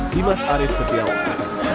limas arief setiawan